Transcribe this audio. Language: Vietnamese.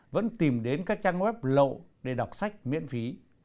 vẫn tìm đến các trang web lậu để đọc sách miễn phí